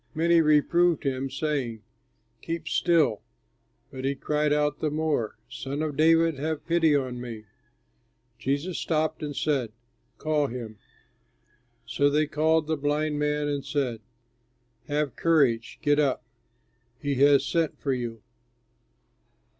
Many reproved him, saying, "Keep still," but he cried out the more, "Son of David, have pity on me!" Jesus stopped and said, "Call him." So they called the blind man and said, "Have courage! Get up, he has sent for you."